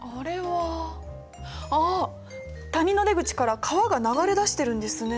ああ谷の出口から川が流れ出してるんですね。